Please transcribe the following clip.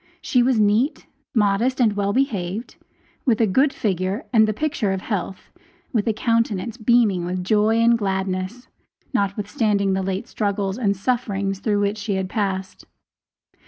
She was neat, modest, and well behaved with a good figure and the picture of health, with a countenance beaming with joy and gladness, notwithstanding the late struggles and sufferings through which she had passed.